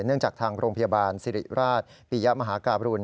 เนื่องจากทางโรงพยาบาลศิริราชปียะมหากาบรุน